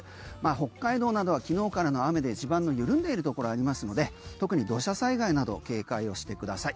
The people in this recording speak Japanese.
北海道などは昨日からの雨で地盤の緩んでいるところありますので特に土砂災害など警戒をしてください。